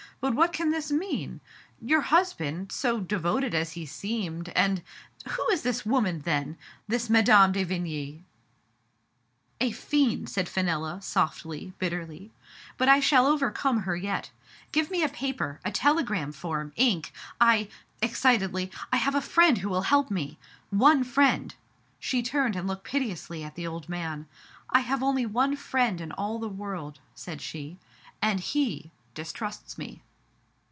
"But what can this mean ? Your husband — so devoted as he seemed — and Who is this woman, then ? This Mme. de Vigny ?"" A fiend," said Fenella softly, bitterly. " But Digitized by Google 176 THE FATE OF FEN ELLA, I shall overcome her yet. Give me a paper, a telegram form, ink — I — excitedly —" I have a friend who will help me. One friend," she turned and looked piteously at the old man. " I have only one friend in all the world, said she, " and he — distrusts me."